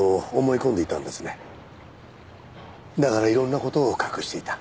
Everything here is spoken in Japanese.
だからいろんな事を隠していた。